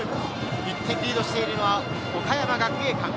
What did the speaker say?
１点リードしているのは岡山学芸館。